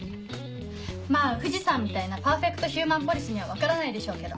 まぁ藤さんみたいな「パーフェクトヒューマンポリス」には分からないでしょうけど。